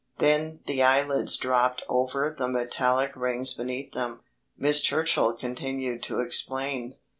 Then the eyelids dropped over the metallic rings beneath them. Miss Churchill continued to explain.